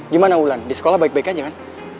gimana wulan di sekolah baik baik aja kan